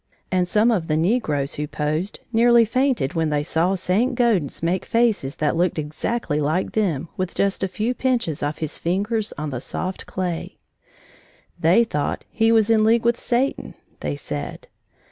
And some of the negroes who posed nearly fainted when they saw St. Gaudens make faces that looked exactly like them with just a few pinches of his fingers on the soft clay. They thought he was in league with Satan, they said.